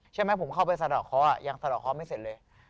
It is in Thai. เชื่อมั้ยผมเข้าไปสะดอกคอกันยังสะดอกคอกันไม่เสร็จเลย